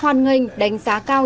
hoan nghênh đánh giá cao